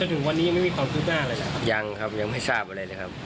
ถึงวันนี้ยังไม่มีความคืบหน้าอะไรเลยครับยังครับยังไม่ทราบอะไรเลยครับ